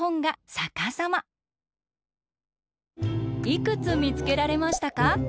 いくつみつけられましたか？